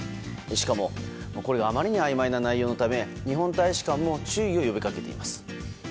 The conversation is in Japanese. しかもあまりにあいまいな内容のため日本大使館も注意を呼びかけています。